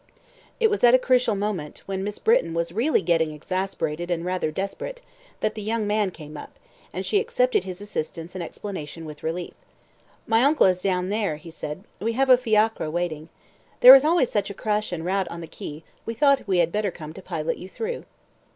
It was at a crucial moment, when Miss Britton was really getting exasperated and rather desperate, that the young man came up, and she accepted his assistance and explanation with relief. "My uncle is down here," he said. "We have a fiacre waiting. There is always such a crush and rout on the quay, we thought we had better come to pilot you through."